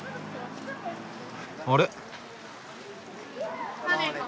あれ？